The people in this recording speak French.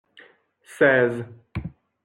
Seize.